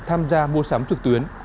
tham gia mua sắm trực tuyến